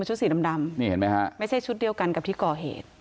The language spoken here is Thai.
สีดำนี่เห็นไหมฮะไม่ใช่ชุดเดียวกันกับที่ก่อเหตุ